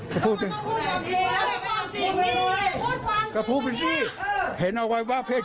ถ้ายังไม่ใช่แล้ว